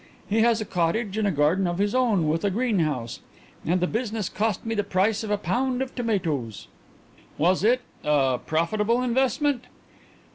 He has a cottage and a garden of his own with a greenhouse, and the business cost me the price of a pound of tomatoes." "Was it a profitable investment?"